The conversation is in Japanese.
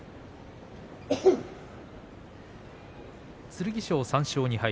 剣翔を３勝２敗